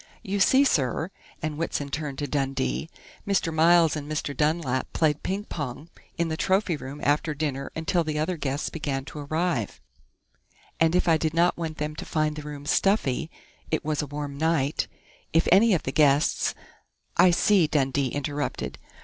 You see, sir," and Whitson turned to Dundee, "Mr. Miles and Mr. Dunlap played ping pong in the trophy room after dinner until the other guests began to arrive, and I did not want them to find the room stuffy it was a warm night if any of the guests " "I see," Dundee interrupted.